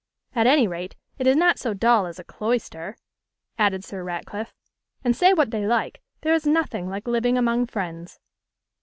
'At any rate, it is not so dull as a cloister,' added Sir Ratcliffe; 'and say what they like, there is nothing like living among friends.